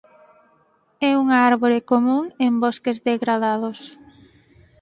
É unha árbore común en bosques degradados.